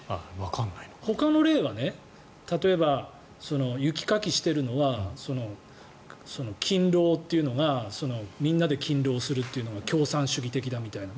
ほかの例は例えば、雪かきしているのは勤労というのがみんなで勤労するというのが共産主義的だみたいな。